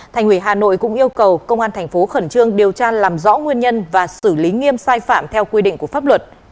thành ủy hà nội cũng yêu cầu công an thành phố khẩn trương điều tra làm rõ nguyên nhân và xử lý nghiêm sai phạm theo quy định của pháp luật